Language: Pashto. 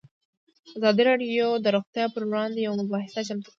ازادي راډیو د روغتیا پر وړاندې یوه مباحثه چمتو کړې.